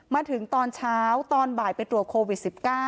มาถึงตอนเช้าตอนบ่ายไปตรวจโควิด๑๙